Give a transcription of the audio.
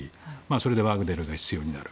それでワグネルが必要になる。